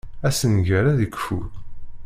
Assenger ad ikfu.